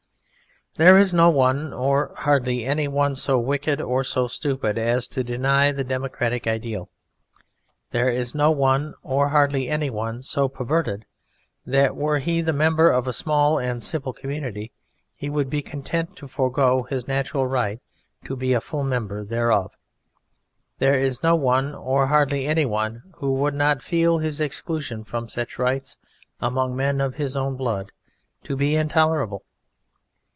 There is no one, or hardly any one, so wicked or so stupid as to deny the democratic ideal. There is no one, or hardly any one, so perverted that, were he the member of a small and simple community, he would be content to forgo his natural right to be a full member thereof. There is no one, or hardly any one, who would not feel his exclusion from such rights, among men of his own blood, to be intolerable.